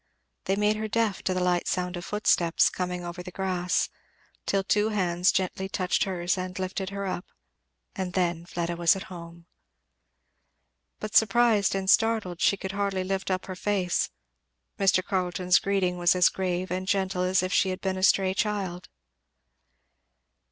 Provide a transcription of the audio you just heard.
They made her deaf to the light sound of footsteps coming over the grass, till two hands gently touched hers and lifted her up, and then Fleda was at home. But surprised and startled she could hardly lift up her face. Mr. Carleton's greeting was as grave and gentle as if she had been a stray child.